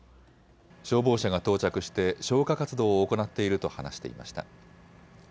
消防車が到着して消火活動を行っていると話していました。